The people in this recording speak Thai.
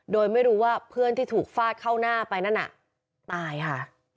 โดยไม่รู้ว่าเพื่อนที่ถูกฟาดเข้าหน้าไปนั่นน่ะตายค่ะ